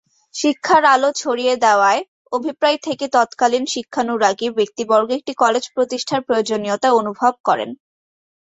শিক্ষার আলো ছড়িয়ে দেয়ার অভিপ্রায় থেকে তৎকালীন শিক্ষানুরাগী ব্যক্তিবর্গ একটি কলেজ প্রতিষ্ঠার প্রয়োজনীয়তা অনুভব করেন।